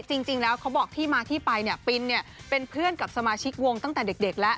จริงแล้วเขาบอกที่มาที่ไปเนี่ยปินเนี่ยเป็นเพื่อนกับสมาชิกวงตั้งแต่เด็กแล้ว